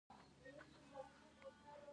د افغانستان طبیعت له قومونه څخه جوړ شوی دی.